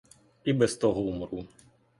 І без того умру.